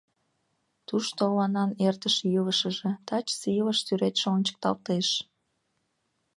— Тушто оланан эртыше илышыже, тачысе илыш сӱретше ончыкталтеш.